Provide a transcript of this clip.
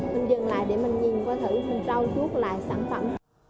mình dừng lại để mình nhìn qua thử mình trao chuốt lại sản phẩm